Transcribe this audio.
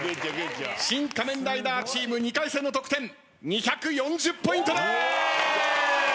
シン・仮面ライダーチーム２回戦の得点２４０ポイントです！